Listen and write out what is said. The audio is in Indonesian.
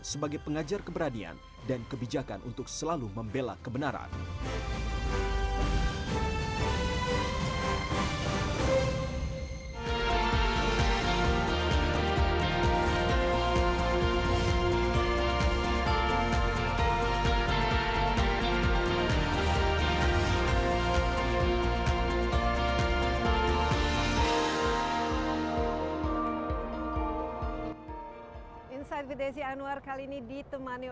sebagai pengajar keberanian dan kebijakan untuk selalu membela kebenaran